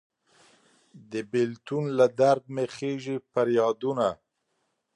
د بیلتون له درد مې خیژي پریادونه